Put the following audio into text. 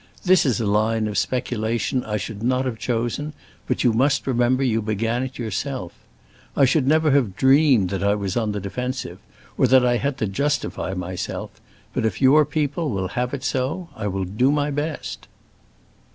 This is a line of speculation I should not have chosen, but you must remember you began it yourself. I should never have dreamed that I was on the defensive, or that I had to justify myself; but if your people will have it so, I will do my best."